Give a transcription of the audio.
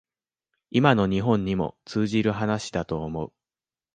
今の日本にも通じる話だと思う